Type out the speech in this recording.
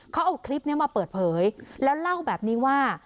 เขาเอาคลิปนี้มาเปิดเผยแล้วเล่าแบบนี้ว่า